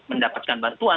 yang mendapatkan bantuan